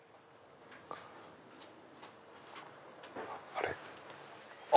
あれ？